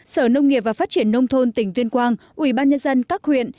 sở nông nghiệp và phát triển nông thôn tỉnh tuyên quang ubnd các huyện